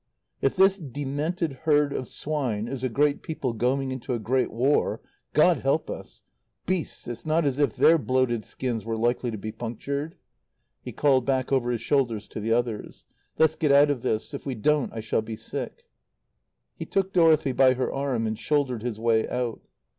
"If this demented herd of swine is a great people going into a great war, God help us! Beasts it's not as if their bloated skins were likely to be punctured." He called back over his shoulders to the others. "Let's get out of this. If we don't I shall be sick." He took Dorothy by her arm and shouldered his way out.